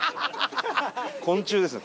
昆虫ですね